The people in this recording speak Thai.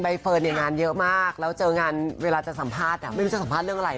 แล้วมันรำคาญหนูมากบอกว่าออกไปยังตักแดดไป